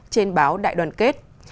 trên báo đại đoàn kết